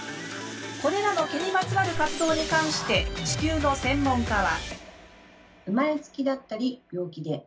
これらの毛にまつわる活動に関して地球の専門家は。